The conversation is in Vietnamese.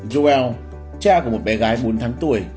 joel cha của một bé gái bốn tháng tuổi